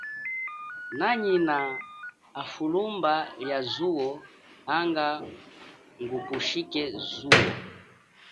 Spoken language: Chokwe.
Nanyina hafulumba lia zuwo hanga ngupuchike zuwo.